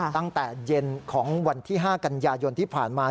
ตั้งแต่เย็นของวันที่๕กันยายนที่ผ่านมา